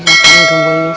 bukan yang ini